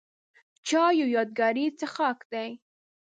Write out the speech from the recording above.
چای یو یادګاري څښاک دی.